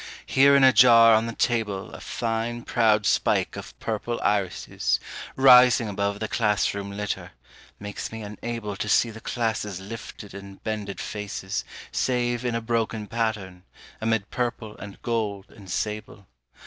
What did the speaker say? Here in a jar on the table A fine proud spike of purple irises Rising above the class room litter, makes me unable To see the class's lifted and bended faces Save in a broken pattern, amid purple and gold and sable.